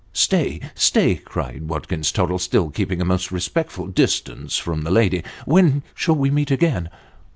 " Stay stay," cried Watkins Tottle, still keeping a most respectful distance from the lady ;" w' "n shall we meet again